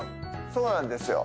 そうなんですよ